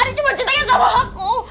adi cuma cintanya sama aku